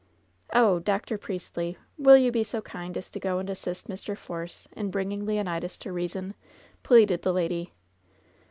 "Oh, Dr. Priestly! will you be so kind as to go and assist Mr. Force in bringing Leonidas to reason?*' pleaded the lady.